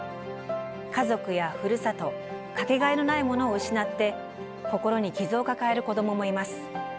家族やふるさと掛けがえのないものを失って心に傷を抱える子どももいます。